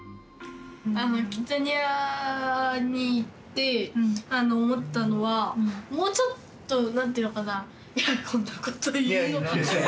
キッザニアに行って思ったのはもうちょっと何ていうのかないやこんなこと言うのは。